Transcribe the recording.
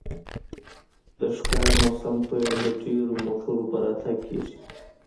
د ښکار موسم پیل د ډیرو موټرو په راتګ کیږي